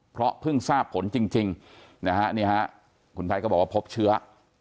เพราะเพิ่งทราบผลจริงนะฮะนี่ฮะคุณไทยก็บอกว่าพบเชื้อ